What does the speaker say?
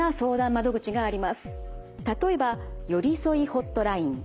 例えばよりそいホットライン。